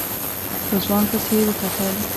په ځوان پسې يې وکتل.